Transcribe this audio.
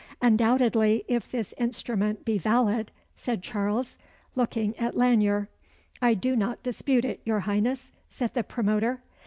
"Undoubtedly, if this instrument be valid," said Charles, looking at Lanyere. "I do not dispute it, your Highness," said the promoter.